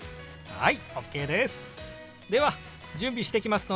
はい！